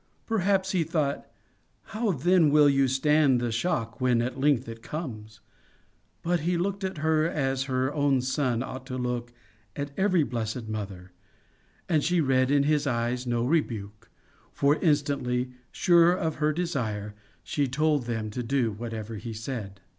Perhaps he thought: How then will you stand the shock when at length it comes? But he looked at her as her own son ought to look at every blessed mother, and she read in his eyes no rebuke, for instantly, sure of her desire, she told them to do whatever he said."